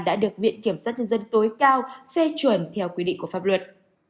đã được viện kiểm sát nhân dân tối cao phê chuẩn theo quy định của pháp luật